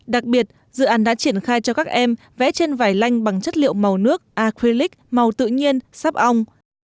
đặc biệt dự án đã triển khai cho các em vẽ trên vải lanh bằng chất liệu màu nước acreac màu tự nhiên sắp ong